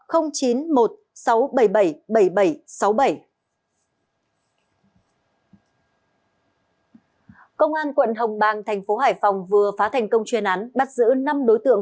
công an quận hồng bang thành phố hải phòng vừa phá thành công chuyên án bắt giữ năm đối tượng